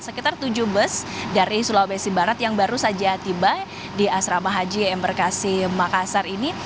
sekitar tujuh bus dari sulawesi barat yang baru saja tiba di asrama haji embarkasi makassar ini